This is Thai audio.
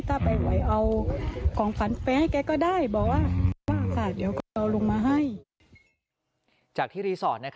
ถ้าไปไหวเอาของฝันแฟ้ให้แกก็ได้